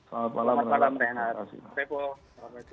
selamat malam reinhardt